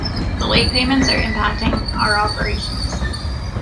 The late payments are impacting our operations.